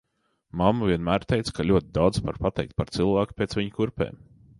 Mamma vienmēr teica, ka ļoti daudz var pateikt par cilvēku pēc viņa kurpēm.